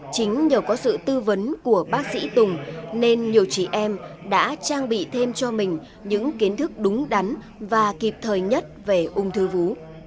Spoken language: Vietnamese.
chính nhờ có sự tư vấn của bác sĩ tùng nên nhiều chị em đã trang bị thêm cho mình những kiến thức đúng đắn và kịp thời nhất về ung thư vú